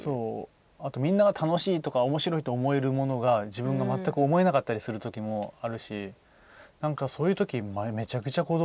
あと、みんなが楽しいとおもしろいと思うものが自分が全く思えなかったりするときもあるしそういうとき、めちゃくちゃ孤独。